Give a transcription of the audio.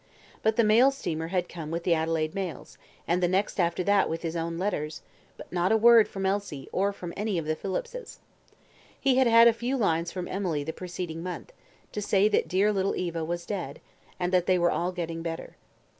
But the mail steamer had come with the Adelaide mails, and the next after that with his own letters, but not a word from Elsie or from any of the Phillipses. He had had a few lines from Emily the preceding month, to say that dear little Eva was dead, and that they were all getting better.